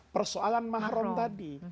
persoalan mahrum tadi